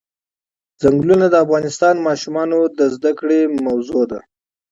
چنګلونه د افغان ماشومانو د زده کړې موضوع ده.